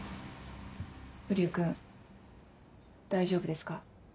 瓜生君大丈夫ですか？